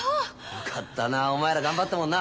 よかったなお前ら頑張ったもんな。